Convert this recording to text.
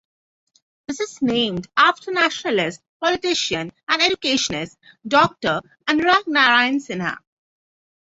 This is named after nationalist politician and educationist Doctor Anugrah Narayan Sinha.